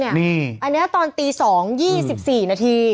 อ่ะอันนี่อันนี้ตอนตี๒ยี่สิบสี่นาที